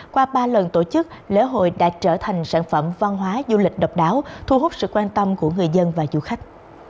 qua ba lần tổ chức lễ hội đã trở thành sản phẩm văn hóa du lịch độc đáo thu hút sự quan tâm của người dân và du khách